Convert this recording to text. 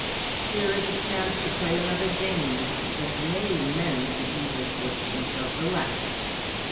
Here is a chance to play another game that may mend the evil fortunes of the last."